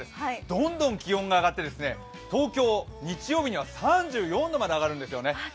どんどん気温が上がって東京、日曜日は３４度まで上がるんですよね。